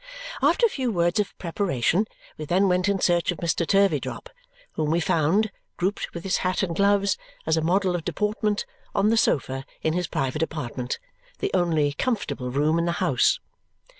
After a few words of preparation, we then went in search of Mr. Turveydrop, whom we found, grouped with his hat and gloves, as a model of deportment, on the sofa in his private apartment the only comfortable room in the house.